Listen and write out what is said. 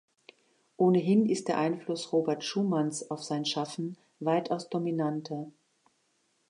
Ohnehin ist der Einfluss Robert Schumanns auf sein Schaffen weitaus dominanter.